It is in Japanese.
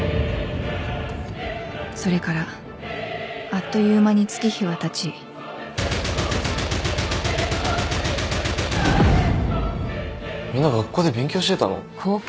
それからあっという間に月日はたち・みんな学校で勉強してたの？